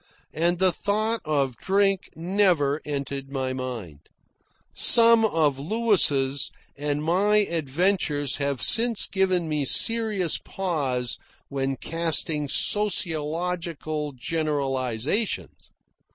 And the thought of drink never entered my mind. Some of Louis' and my adventures have since given me serious pause when casting sociological generalisations.